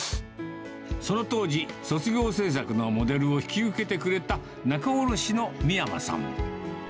その当時、卒業制作のモデルを引き受けてくれた仲卸の見山さん。